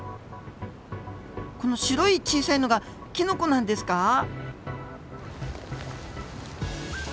この白い小さいのがキノコなんですか？